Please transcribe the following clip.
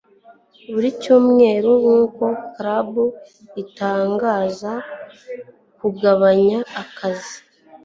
buri cyumweru nkuko club itangaza kugabanya akazi